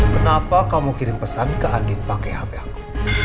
kenapa kamu kirim pesan ke andin pakai hp aku